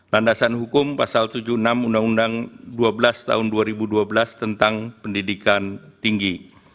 landasan hukum pasal tujuh puluh enam undang undang dua belas tahun dua ribu dua belas tentang pendidikan tinggi